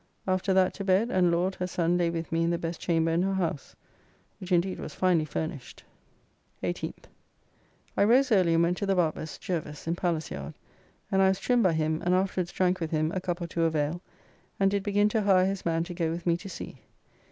After that to bed, and Laud, her son lay with me in the best chamber in her house, which indeed was finely furnished. 18th. I rose early and went to the barber's (Jervas) in Palace Yard and I was trimmed by him, and afterwards drank with him a cup or two of ale, and did begin to hire his man to go with me to sea.